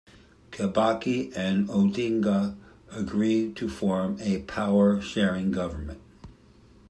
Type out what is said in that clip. Kibaki and Odinga agreed to form a power-sharing government.